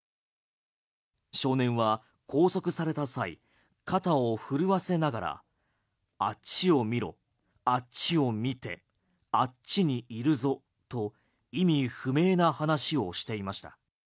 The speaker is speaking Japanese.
少年は拘束された際肩を震わせながらあっちを見ろ、あっちを見てあっちにいるぞと意味不明な話をしていました。